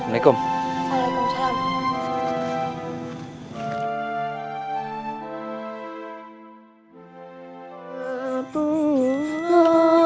maaf ya bang ube